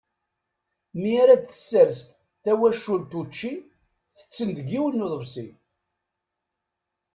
Mi ara d-tessers twacult učči, tetten deg yiwen n uḍebsi.